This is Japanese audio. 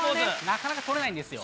なかなか取れないんですよ。